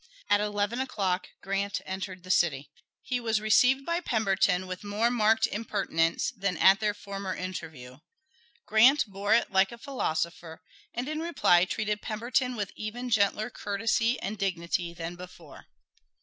At eleven o'clock Grant entered the city. He was received by Pemberton with more marked impertinence than at their former interview. Grant bore it like a philosopher, and in reply treated Pemberton with even gentler courtesy and dignity than before.